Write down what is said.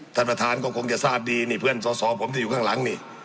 ท่านประธานก็คงจะทราบดีนี่เพื่อนสอสอผมที่อยู่ข้างหลังนี่